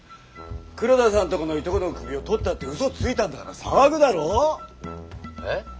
黒田さんのとこのいとこの首を取ったってうそついたんだから騒ぐだろう？えっ？